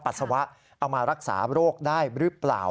ปัสสาวะเอามารักษาโรคได้หรือเปล่า